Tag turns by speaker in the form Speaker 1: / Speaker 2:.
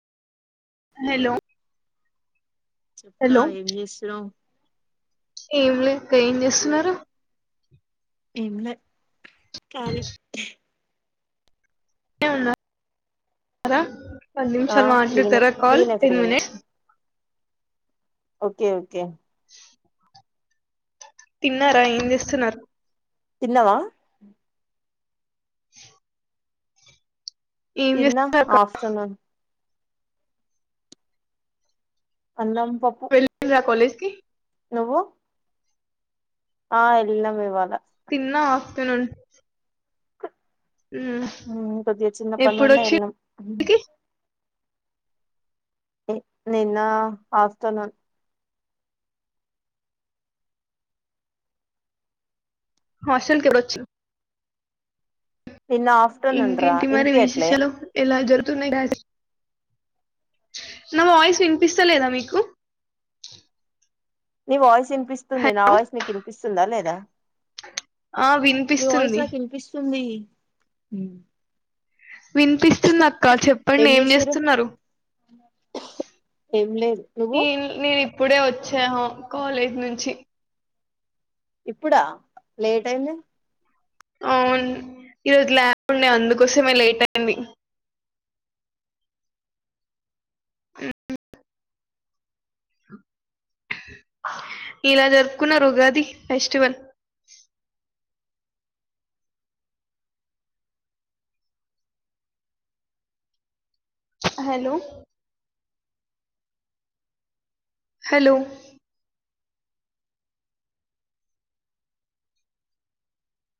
Speaker 1: hello
Speaker 2: చెప్ రా
Speaker 1: hello
Speaker 2: ఏం చేస్తుఉనవ్
Speaker 1: ఏం లే అక్క ఏం చేస్తునరు
Speaker 2: ఏం లే కాలి
Speaker 1: టే ఉన్న [unintelligible] హలో పది
Speaker 2: ఆ
Speaker 1: నిమిషాలు
Speaker 2: ఫ్రీనే
Speaker 1: మాట్లాడతారా కాల్
Speaker 2: ఫ్రీనే
Speaker 1: టెన్
Speaker 2: ఫ్రీనే
Speaker 1: మినేట్స్
Speaker 2: ఓకే ఓకే
Speaker 1: తిన్నారా ఏం చేస్తునరు
Speaker 2: తిన్నవా
Speaker 1: ఏం
Speaker 2: తిన్నాం
Speaker 1: చేస్తున్నారు అక్క
Speaker 2: ఆఫ్టనూన్ అన్నం పప్పు
Speaker 1: వెల్లిండ్రా కొలేజ్ కి
Speaker 2: నువ్వు ఆ ఎల్లినం ఇవాళ
Speaker 1: తిన్న ఆఫ్టర్నూన్ ఉమ్,
Speaker 2: ఉమ్ కొద్దిగా చిన్న
Speaker 1: ఎప్పుడు
Speaker 2: పనుండే
Speaker 1: వచ్చి
Speaker 2: ఎల్లినం నిన్న ఆ ఆఫ్టర్నూన్
Speaker 1: హాస్టల్కి ఎప్పుడొచ్చావు
Speaker 2: నిన్న ఆఫ్టర్నూన్ రా
Speaker 1: ఇంకేంటి మరి
Speaker 2: వినిపియట్లే
Speaker 1: విశేషాలు ఎలా జర్ తునాయి క్లాసెస్ నా వాయిస్ వినిపిస్తలేదా మీకు
Speaker 2: నీ వాయిస్ ఇన్
Speaker 1: హ-
Speaker 2: నిపిస్తుంది నా వాయిస్ నీకినిపిస్తుందా లేదా
Speaker 1: ఆ వినిపిస్తుంది
Speaker 2: ఉమ్
Speaker 1: వినిపిస్తుంది అక్క చెప్పండి ఏం చేస్తున్నారు
Speaker 2: ఏం లేదు నువ్వు
Speaker 1: నే నేన్ ఇప్పుడే వచ్చాను కాలేజ్ నుంచి
Speaker 2: ఇప్పుడా లేట్ అయింది
Speaker 1: అవున్ ఈరోజు ల్యాబ్ ఉండే అందుకోసమే లేట్ అయింది ఇలా జరుపుకున్నారు ఉగాది ఫెస్టివల్ హలో హలో